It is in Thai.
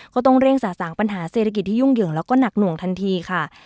ก็ต้องเร่งสะสางปัญหาเศรษฐกิจที่ยุ่งเหยิงแล้วก็หนักหน่วงทันทีค่ะ